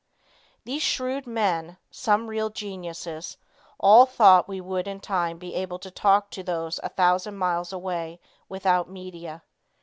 These shrewd men, some real geniuses, all thought we would in time be able to talk to those a thousand miles away without media.